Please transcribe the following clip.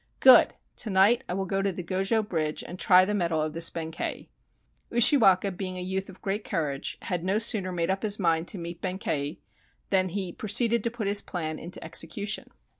Good! To night I will go to the Gojo Bridge and try the mettle of this Benkei 1" Ushiwaka, being a youth of great courage, had no sooner made up his mind to meet Benkei than he pro ceeded to put his plan into execution.